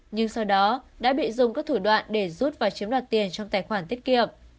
nhưng sau đó đã bị dùng các thủ đoạn để rút và chiếm đoạt tiền